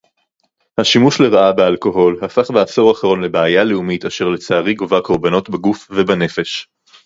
השימוש לרעה באלכוהול הפך בעשור האחרון לבעיה לאומית אשר לצערי גובה קורבנות בגוף ובנפש